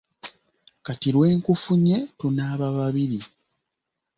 Kati lwe nkufunye tunaaba babiri.